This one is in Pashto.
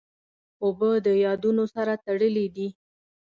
اوبه د یادونو سره تړلې دي.